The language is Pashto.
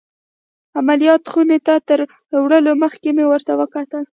عمليات خونې ته تر وړلو مخکې مې ورته وکتل.